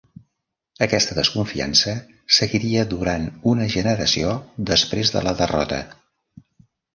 Aquesta desconfiança seguiria durant una generació després de la derrota.